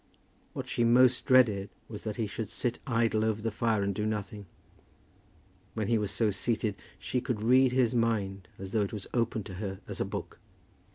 What she most dreaded was that he should sit idle over the fire and do nothing. When he was so seated she could read his mind, as though it was open to her as a book.